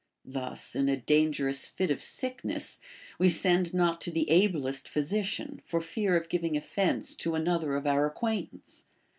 Thus, in a danger ous fit of sickness, we send not to the ablest physician, for fear of giving off'ence to another of our acquaintance.